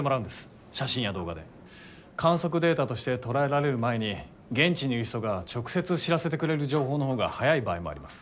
観測データとして捉えられる前に現地にいる人が直接知らせてくれる情報の方が早い場合もあります。